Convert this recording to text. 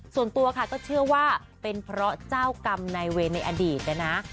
ส่วนตัวค่ะก็เชื่อว่าเป็นเพราะเจ้ากรรมนายเวรในอดีตนะนะ